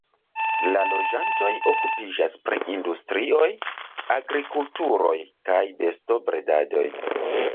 La loĝantoj okupiĝas pri industrioj, agrikulturoj kaj bestobredadoj.